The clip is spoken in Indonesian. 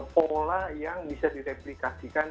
pola yang bisa direplikasikan